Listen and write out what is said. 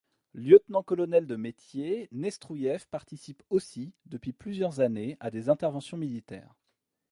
Lieutenant-colonel de métier, Nestruyev participe aussi depuis plusieurs années à des interventions militaires.